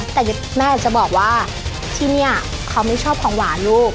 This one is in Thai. แต่แม่จะบอกว่าที่นี่เขาไม่ชอบของหวานลูก